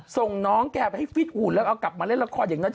ส่งน้องแกไปให้ฟิตหุ่นแล้วเอากลับมาเล่นละครอย่างนั้น